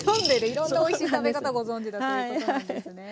いろんなおいしい食べ方ご存じだということなんですね。